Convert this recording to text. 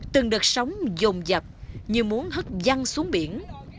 từng đợt sóng dồn dập như muốn hất văng xuống biển